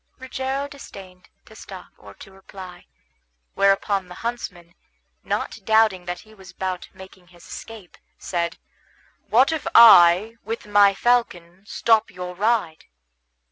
Rogero disdained to stop or to reply; whereupon the huntsman, not doubting that he was about making his escape, said, "What if I, with my falcon, stop your ride?"